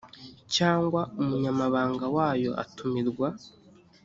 cyangwa umunyamabanga wayo atumirwa